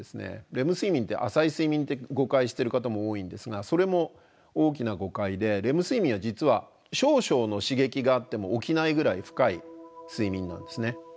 レム睡眠って浅い睡眠って誤解してる方も多いんですがそれも大きな誤解でレム睡眠は実は少々の刺激があっても起きないぐらい深い睡眠なんですね。